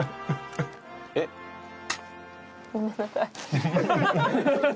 えっ？ごめんなさい。